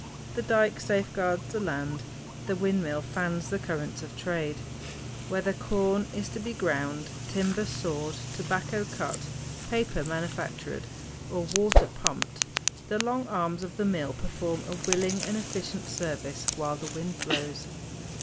The dike safeguards the land; the windmill fans the currents of trade. Whether corn is to be ground, timber sawed, tobacco cut, paper manufactured, or water pumped, the long arms of the mill perform a willing and efficient service while the wind blows.